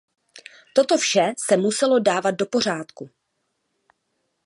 Toto vše se muselo dávat do pořádku.